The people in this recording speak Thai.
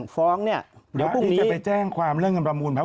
พระคู่เชิญค่ะ